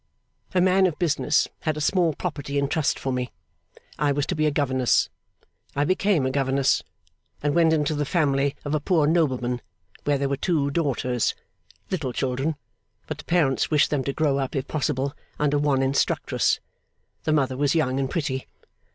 A man of business had a small property in trust for me. I was to be a governess; I became a governess; and went into the family of a poor nobleman, where there were two daughters little children, but the parents wished them to grow up, if possible, under one instructress. The mother was young and pretty.